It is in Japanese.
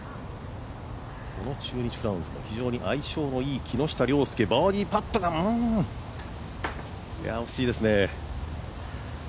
中日クラウンズと相性のいい木下稜介バーディーパットが惜しいですね。